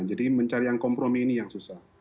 jadi mencari yang kompromi ini yang susah